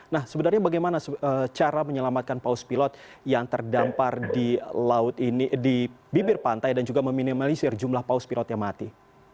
nah sebenarnya bagaimana cara menyelamatkan paus pilot yang terdampar di bibir pantai dan juga meminimalisir jumlah paus pilot yang mati